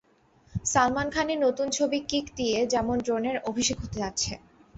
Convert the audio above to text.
সালমান খানের নতুন ছবি কিক দিয়ে যেমন ড্রোনের অভিষেক হতে যাচ্ছে।